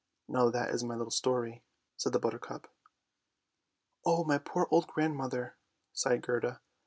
Now that is my little story," said the buttercup. "Oh, my poor old grandmother!" sighed Gerda.